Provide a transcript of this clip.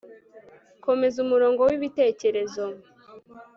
Komeza umurongo wibitekerezo